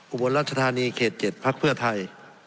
อุบวนรัชธานี๑๙๗๔ภักดิ์เพื่อไทย